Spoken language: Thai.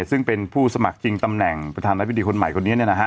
ซึ่งเป็นผู้สมัครชิงตำแหน่งประธานาธิบดีคนใหม่คนนี้